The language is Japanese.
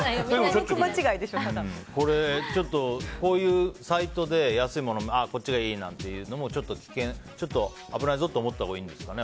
こういうサイトで安いもの、こっちがいいなんていうのも危ないぞと思ったほうがいいんですか。